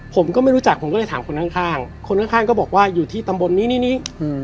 ผมก็ไม่รู้จักผมก็เลยถามคนข้างคนข้างก็บอกว่าอยู่ที่ตำบลนี้นี่นี้